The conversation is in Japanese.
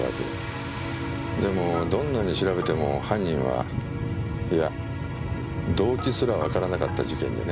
でもどんなに調べても犯人はいや動機すらわからなかった事件でね。